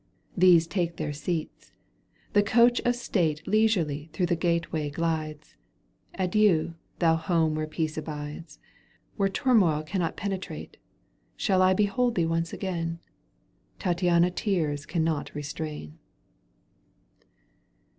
These take their seats ; the coach of state Leisurely through the gateway glides. "Adieu ! thou home where peace abides, Where turmoH cannot penetrate, Shall I behold thee once again ?"— Tattieina tears cannot restrain.